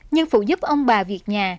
nhưng phụ giúp ông bà việc nhà